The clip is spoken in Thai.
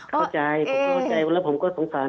เข้าใจผมก็เข้าใจแล้วผมก็สงสาร